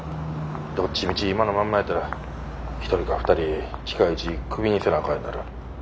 どっちみち今のまんまやったら１人か２人近いうちクビにせなあかんようになる。